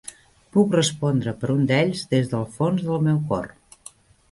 Puc respondre per un d"ells des del fons del meu cor.